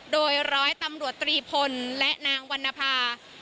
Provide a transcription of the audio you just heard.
โดยร้อยตำรวจตรีพลและนางวรรณภา